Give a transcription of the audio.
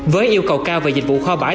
với yêu cầu cao về dịch vụ kho bãi